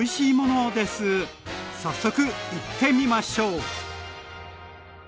早速いってみましょう！